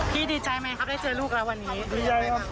พี่ดีใจมั้ยครับได้เจอลูกแล้ววันนี้